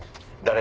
誰？」。